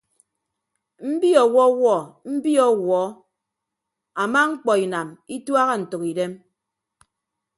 Mbi ọwọwuọ mbi ọwuọ ama mkpọ inam ituaha ntʌkidem.